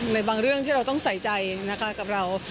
ในบางเรื่องที่เราต้องใส่ใจนะคะกับเรา